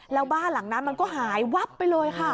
แล้วบ้านหลังนั้นมันก็หายวับไปเลยค่ะ